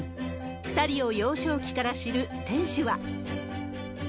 ２人を幼少期から知る店主は。